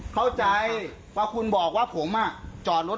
คือมันสามารถ